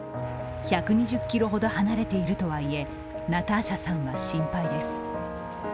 １２０ｋｍほど離れているとはいえナターシャさんは心配です。